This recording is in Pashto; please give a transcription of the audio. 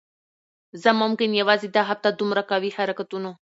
زه ممکن یوازی دا هفته دومره قوي حرکتونو